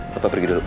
nah papa pergi dulu